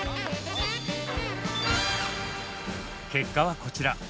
結果はこちら。